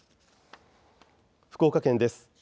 福岡県です。